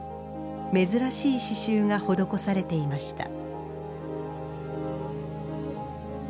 珍しい刺繍が施されていました